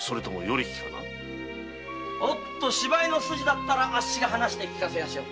芝居の筋ならあっしが話して聞かせやしょう。